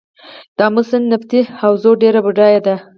د امو سیند نفتي حوزه ډیره بډایه ده.